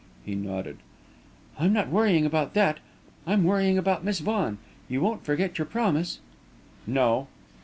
He nodded. "I'm not worrying about that. I'm worrying about Miss Vaughan. You won't forget your promise?" "No."